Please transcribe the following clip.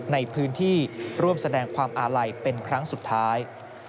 ในพื้นที่ร่วมแสดงความอาลัยเป็นครั้งสุดท้าย